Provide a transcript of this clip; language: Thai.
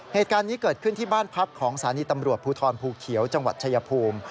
เหตุการณ์นี้เกิดขึ้นที่บ้านพักของสถานีตำรวจภูทรภูเขียวจังหวัดชายภูมิ